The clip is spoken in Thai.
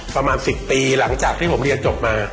ประมาณ๑๐ปีหลังจากที่ผมเรียนจบมา